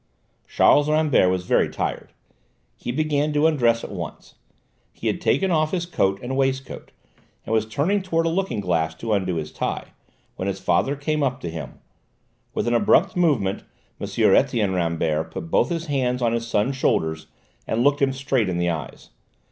Charles Rambert was very tired. He began to undress at once. He had taken off his coat and waistcoat, and was turning towards a looking glass to undo his tie, when his father came up to him; with an abrupt movement M. Etienne Rambert put both his hands on his son's shoulders and looked him straight in the eyes.